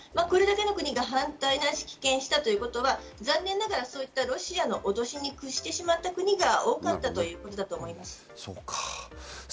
これだけの国が反対ないし棄権したということは残念ながらロシアの脅しに屈してしまった国が多かったということそうか。